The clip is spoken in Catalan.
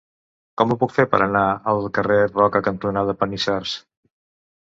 Com ho puc fer per anar al carrer Roca cantonada Panissars?